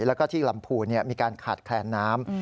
แล้วก็ที่ลำพูนมีการขาดแคลนน้ำ